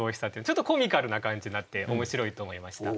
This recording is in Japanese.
ちょっとコミカルな感じになって面白いと思いました。